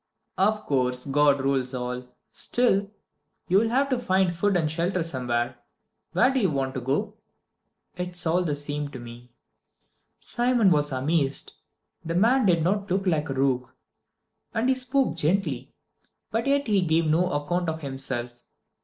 "Of course God rules all. Still, you'll have to find food and shelter somewhere. Where do you want to go to?" "It is all the same to me." Simon was amazed. The man did not look like a rogue, and he spoke gently, but yet he gave no account of himself.